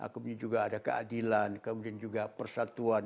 kemudian juga ada keadilan kemudian juga persatuan